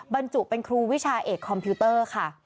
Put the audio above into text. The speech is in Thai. บรรจุเป็นครูวิชาเอกคอมพิวเตอร์ค่ะ